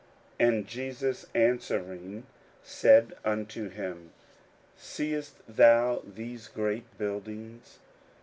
41:013:002 And Jesus answering said unto him, Seest thou these great buildings?